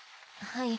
はい。